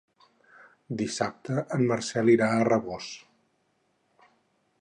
Dissabte en Marcel irà a Rabós.